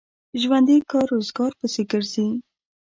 ژوندي کار روزګار پسې ګرځي